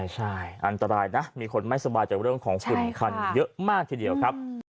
ใช่อันตรายนะมีคนไม่สบายจากเรื่องของฝุ่นคันเยอะมากทีเดียวครับ